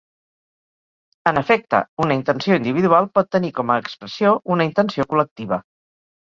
En efecte, una intenció individual pot tenir com a expressió una intenció col·lectiva.